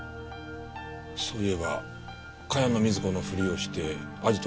そういえば茅野瑞子のふりをしてアジトから逃げた女は確か。